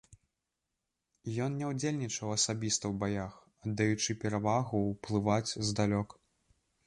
Ён не ўдзельнічаў асабіста ў баях, аддаючы перавагу ўплываць здалёк.